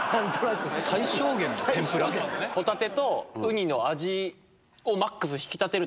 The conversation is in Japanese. ホタテとウニの味をマックス引き立てるために。